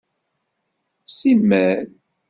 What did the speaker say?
Simmal.